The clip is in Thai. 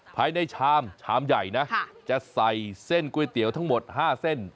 ภายในชามชามใหญ่นะจะใส่เส้นก๋วยเตี๋ยวทั้งหมด๕เส้น